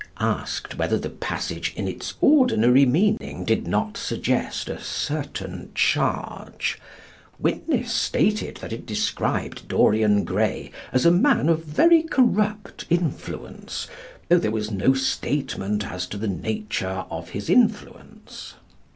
Asked whether the passage in its ordinary meaning did not suggest a certain charge, witness stated that it described Dorian Gray as a man of very corrupt influence, though there was no statement as to the nature of his influence.